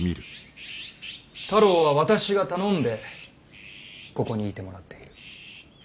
太郎は私が頼んでここにいてもらっている。